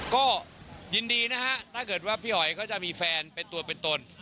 ก็ยินดีนะฮะถ้าเกิดว่าพี่อ๋อยก็จะมีแฟนเป็นตัวเป็นตน